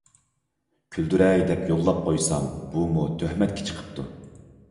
كۈلدۈرەي دەپ يوللاپ قويسام بۇمۇ تۆھمەتكە چىقىپتۇ.